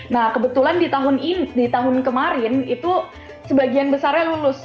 nah kebetulan di tahun kemarin itu sebagian besarnya lulus